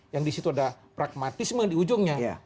yang di situ ada pragmatisme di ujungnya